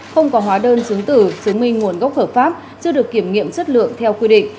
không có hóa đơn chứng tử chứng minh nguồn gốc hợp pháp chưa được kiểm nghiệm chất lượng theo quy định